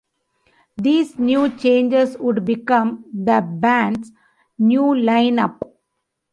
These new changes would become the band's new line-up.